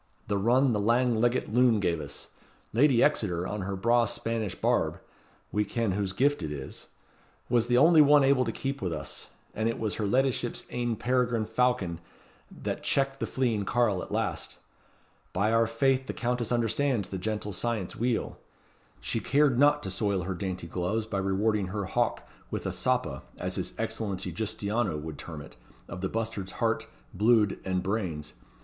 the run the lang leggit loon gave us. Lady Exeter, on her braw Spanish barb we ken whose gift it is was the only one able to keep with us; and it was her leddyship's ain peregrine falcon that checked the fleeing carle at last. By our faith the Countess understands the gentle science weel. She cared not to soil her dainty gloves by rewarding her hawk with a soppa, as his Excellency Giustiniano would term it, of the bustard's heart, bluid, and brains.